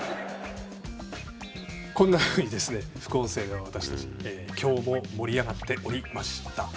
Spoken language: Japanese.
こんなふうに副音声では、私たち今日も盛り上がっておりました。